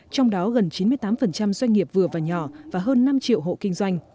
trong đó gần chín mươi tám doanh nghiệp vừa và nhỏ và hơn năm triệu hộ kinh doanh